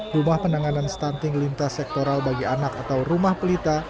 dua enam ratus tujuh puluh lima rumah penanganan stunting lintas sektoral bagi anak atau rumah pelita